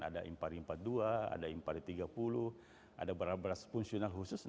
ada impari empat puluh dua ada impari tiga puluh ada beras beras fungsional khusus